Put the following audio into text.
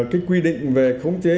cái quy định về khống chế